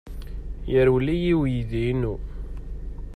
Yerwel-iyi uydi-inu.